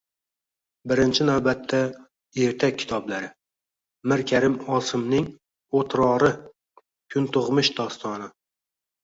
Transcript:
Birinchi navbatda, ertak kitoblari, Mirkarim Osimning “O‘tror”i, “Kuntug‘mish” dostoni…